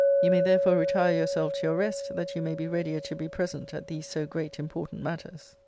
You may therefore retire your self to your rest, that you may be readier to be present at these so great important matters.